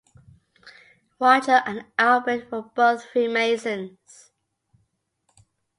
Roger and Albert were both freemasons.